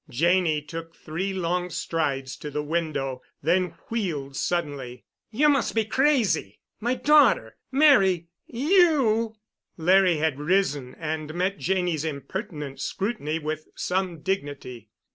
Janney took three long strides to the window, then wheeled suddenly. "You must be crazy. My daughter—marry you?" Larry had risen and met Janney's impertinent scrutiny with some dignity.